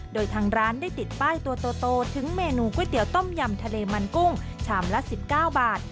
โดยทางร้านได้ติดป้ายตัวโตถึงเมนูก๋วยเตี๋ยวต้มยำทะเลมันกุ้งชามละ๑๙บาท